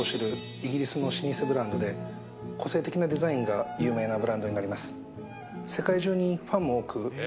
イギリスの老舗ブランドで個性的なデザインが有名なブランドになります。